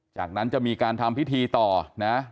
จากนั้นจะมีการทำพิธีต่อนะ